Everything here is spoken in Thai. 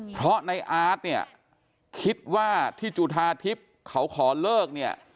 เพราะในอาร์ตเนี่ยคิดว่าที่จุธาทิพย์เขาขอเลิกเนี่ย